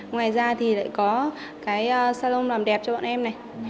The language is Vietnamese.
ngoài ra thì lại có cái salom làm đẹp cho bọn em này